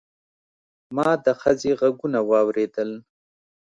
ما د ښځې غږونه واورېدل.